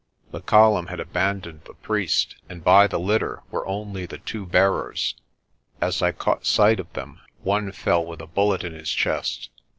The column had abandoned the priest, and by the litter were only the two bearers. As I caught sight of them one fell with a bullet in his chest.